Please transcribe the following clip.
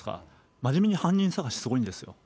真面目に犯人探し、すごいんですよ。